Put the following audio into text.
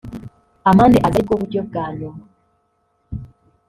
amande aza ari bwo buryo bwa nyuma